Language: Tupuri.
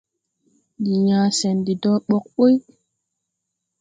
Ndi yãã sɛn de dɔɔ ɓɔg ɓuy.